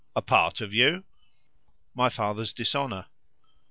"A part of you?" "My father's dishonour."